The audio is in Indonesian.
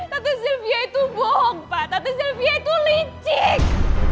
tante sylvia itu bohong pak tante sylvia itu licik